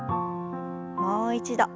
もう一度。